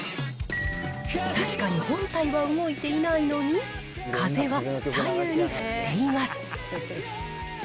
確かに本体は動いていないのに、風は左右に振っています。